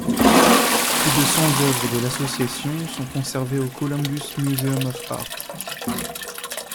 Plus de cent oeuvres de l'association sont conservées au Columbus Museum of Art.